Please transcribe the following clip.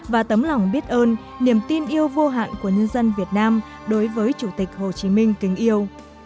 và tấm lòng biết ơn niềm tin yêu vô hạn của nhân dân việt nam đối với chủ tịch hồ chí minh kính yêu